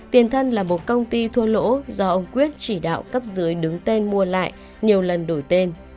tiền thân là một công ty thua lỗ do ông quyết chỉ đạo cấp dưới đứng tên mua lại nhiều lần đổi tên